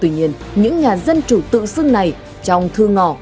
tuy nhiên những nhà dân chủ tự xưng này trong thư ngỏ